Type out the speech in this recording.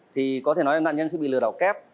thì có thể nói là nạn nhân sẽ bị lừa đảo kép